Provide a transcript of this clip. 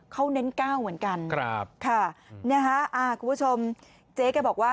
เขาเน้นก้าวเหมือนกันครับค่ะนะฮะอ่าคุณผู้ชมเจ๊แกบอกว่า